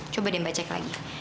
coba deh mbak cek lagi